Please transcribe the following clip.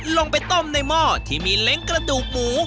ลงไปต้มในหม้อที่มีเล้งกระดูกหมู